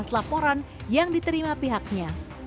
delapan belas laporan yang diterima pihaknya